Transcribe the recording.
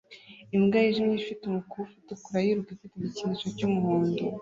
Imbwa yijimye ifite umukufi utukura yiruka ifite igikinisho cyumuhondo